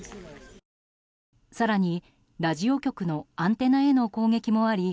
更にラジオ局のアンテナへの攻撃もあり